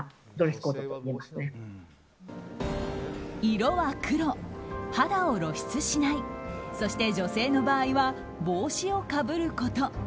色は黒、肌を露出しないそして女性の場合は帽子をかぶること。